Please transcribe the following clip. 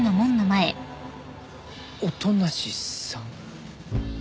音無さん？